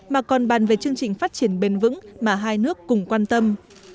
mà còn bàn về chương trình phát triển bền vững mà hai nước cùng quan tâm